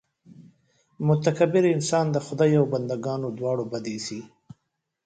متکبر انسان د خدای او بندګانو دواړو بد اېسي.